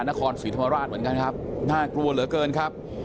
นครศรีธรรมราชเหมือนกันครับน่ากลัวเหลือเกินครับ